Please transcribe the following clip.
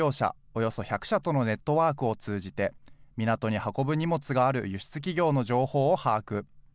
およそ１００社とのネットワークを通じて、港に運ぶ荷物がある輸出企業の情報を把握。